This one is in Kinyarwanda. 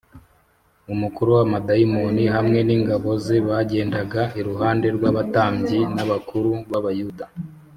umukuru w’abadayimoni hamwe n’ingabo ze bagendaga iruhande rw’abatambyi n’abakuru b’abayuda